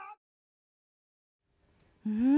うん。